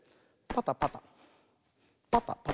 パタパタパタパタ。